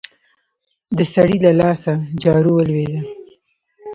د سړي له لاسه جارو ولوېده.